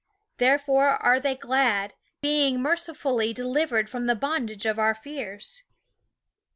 Therefore are they glad, being mercifully delivered from the bondage of our fears.